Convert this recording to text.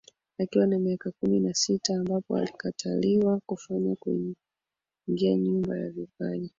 akiwa na miaka kumi na sita ambapo alikataliwa kufanya kuingia nyumba ya vipaji